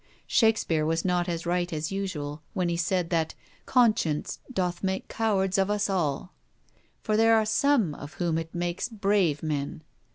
Shakespeare was not as right as usual, when he said that 'conscience doth make cowards of us all;' for there are some of whom it makes brave men.